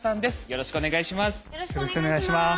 よろしくお願いします。